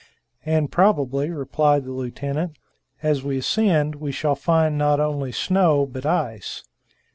"And probably," replied the lieutenant, "as we ascend we shall find not only snow but ice.